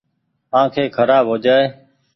آنکي کرآب هوجآئي ۔